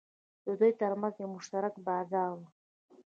د دوی ترمنځ یو مشترک بازار و.